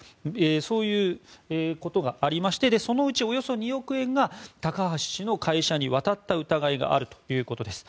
そういうことがありましてそのうちおよそ２億円が高橋氏の会社に渡った疑いがあるということです。